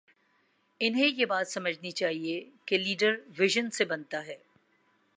انہیں یہ بات سمجھنی چاہیے کہ لیڈر وژن سے بنتا ہے۔